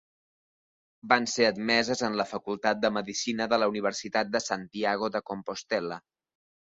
Van ser admeses en la Facultat de Medicina de la Universitat de Santiago de Compostel·la.